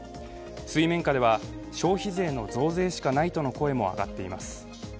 水面下では消費税の増税しかないとの声も上がっています。